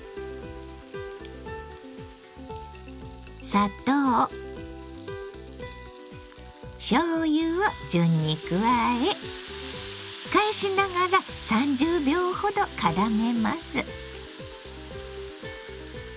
砂糖しょうゆを順に加え返しながら３０秒ほどからめます。